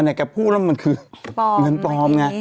มันคือเงินปลอม